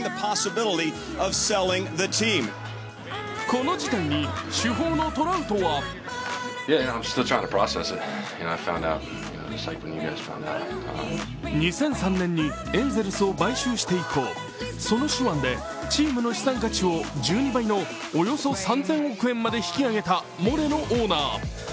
この事態に主砲のトラウトは２００３年にエンゼルスを買収して以降、その手腕でチームの資産価値をおよそ３０００億円まで引き揚げたモレノオーナー。